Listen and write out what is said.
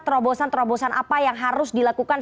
terobosan terobosan apa yang harus dilakukan